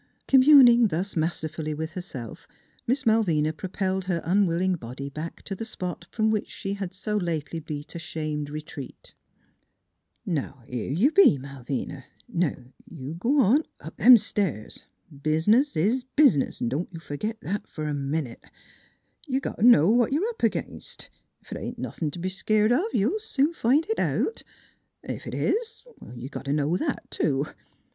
Communing thus masterfully with herself, Miss Malvina propelled her unwilling body back to the spot from which she had so lately beat a shamed retreat. " Now, here you be, Malvina ; now you g' on up them stairs. Bizniz is bizniz; don't you fergit that f'r a minute. You got t' know what you're up against; ef it ain't nothin' t' be skeered of you'll soon find it out. Ef it is, you got t' know that, too.